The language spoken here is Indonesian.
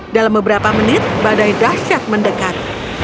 dalam beberapa menit badai dahsyat mendekat